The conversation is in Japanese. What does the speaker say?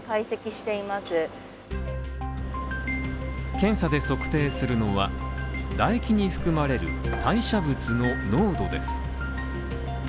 検査で測定するのは唾液に含まれる代謝物の濃度です。